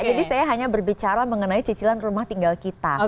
jadi saya hanya berbicara mengenai cicilan rumah tinggal kita